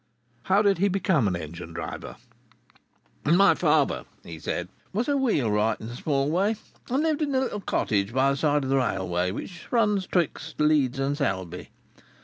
How did he become an engine driver? "My father," he said, "was a wheelwright in a small way, and lived in a little cottage by the side of the railway which runs betwixt Leeds and Selby.